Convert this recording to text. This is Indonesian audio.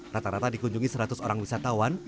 rata rata dikunjungi seratus orang wisatawan